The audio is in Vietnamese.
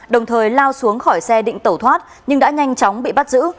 đồng thời lao xuống khỏi xe định tẩu thoát nhưng đã nhanh chóng bị bắt giữ